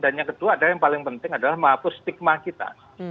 dan yang kedua dan yang paling penting adalah menghapus stigma kita